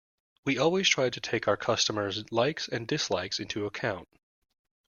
We always try to take our customers’ likes and dislikes into account.